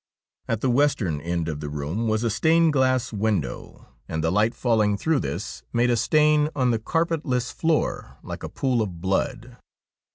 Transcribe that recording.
At the western end pi the room was a stained glass window, and the light falling 46 STORIES WEIRD AND WONDERFUL through this made a stain on the carpetless floor like a pool of blood.